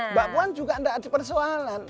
mbak puan juga tidak ada persoalan